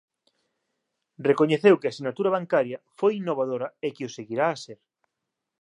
Recoñeceu que a sinatura bancaria "foi innovadora e que o seguirá a ser".